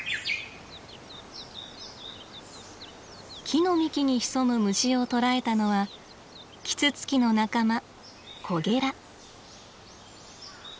木の幹に潜む虫を捕らえたのはキツツキの仲間